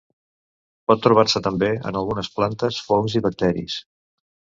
Pot trobar-se també en algunes plantes, fongs i bacteris.